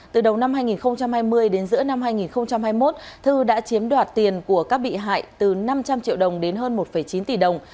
từ đầu năm hai nghìn hai mươi đến giữa năm hai nghìn hai mươi một thư đã chiếm đoạt tiền của các bị hại từ năm trăm linh triệu đồng đến hơn một chín tỷ đồng